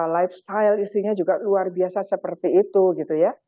lifestyle isinya juga luar biasa seperti itu gitu ya